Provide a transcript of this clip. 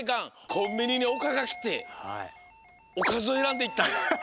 コンビニにおかがきておかずをえらんでいったんだ。